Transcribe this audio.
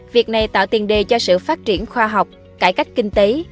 việc này tạo tiền đề cho sự phát triển khoa học cải cách kinh tế